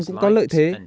cũng có lợi thế